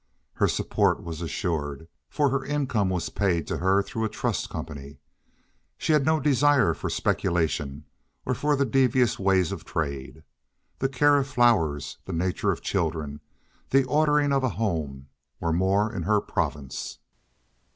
Her support was assured, for her income was paid to her through a trust company. She had no desire for speculation or for the devious ways of trade. The care of flowers, the nature of children, the ordering of a home were more in her province.